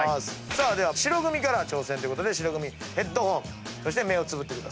では白組から挑戦ってことで白組ヘッドホンそして目をつぶってください。